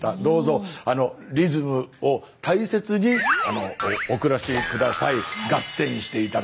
どうぞリズムを大切にお暮らし下さい。